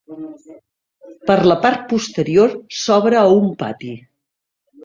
Per la part posterior s'obre a un pati.